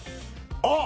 あっ！